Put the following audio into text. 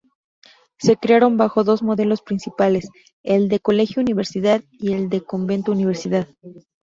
Se crearon bajo dos modelos principales, el de colegio-universidad y el de convento-universidad.